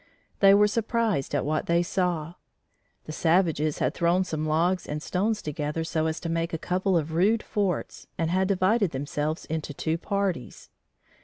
They were surprised at what they saw. The savages had thrown some logs and stones together so as to make a couple of rude forts and had divided themselves into two parties.